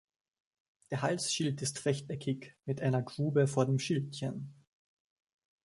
Der Halsschild ist rechteckig, mit einer Grube vor dem Schildchen.